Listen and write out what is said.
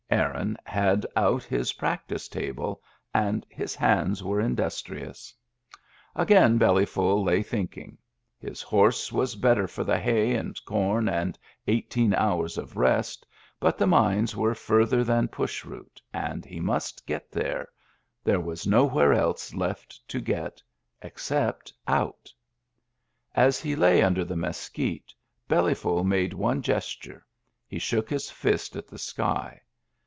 Aaron had out his practice table, and his hands were industrious. Digitized by Google EXTRA DRY 223 Again Bellyful lay thinking, His horse was better for the hay and com and eighteen hours of rest ; but the mines were further than Push Root, and he must get there, there was nowhere else left to get — except out! As he lay under the mesquite. Bellyful made one gesture — he shook his fist at the sky.